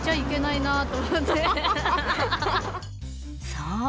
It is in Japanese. そう。